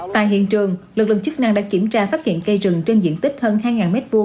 tại hiện trường lực lượng chức năng đã kiểm tra phát hiện cây rừng trên diện tích hơn hai m hai